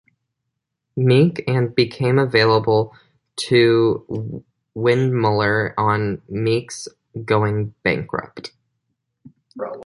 Mecke, and became available to Windmuller on Mecke's going bankrupt.